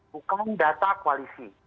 bukan data koalisi